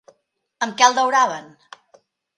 Amb què el dauraven?